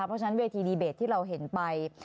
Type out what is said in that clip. เพราะฉะนั้นเวทีดีเบตที่เราเห็นไป